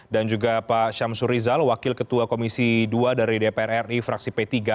juga pak syamsur rizal wakil ketua komisi dua dari dpr ri fraksi p tiga